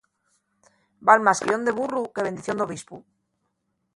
Val más cagayón de burru, que bendición d'obispu.